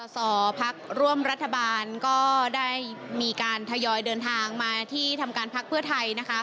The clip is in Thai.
สอพักร่วมรัฐบาลก็ได้มีการทยอยเดินทางมาที่ทำการพักเพื่อไทย